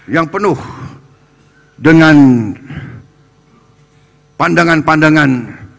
yang penuh dengan pandangan pandangan